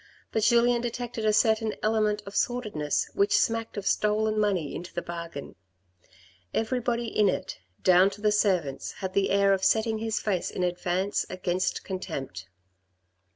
But Julien detected a certain element of sordidness, which smacked of stolen money into the bargain. Everybody in it, down to the servants, had the air of setting his face in advance against contempt.